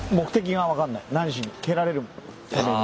何しに蹴られるために。